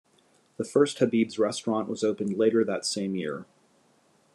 The first Habib's restaurant was opened later that same year.